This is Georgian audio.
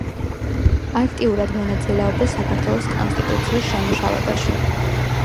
აქტიურად მონაწილეობდა საქართველოს კონსტიტუციის შემუშავებაში.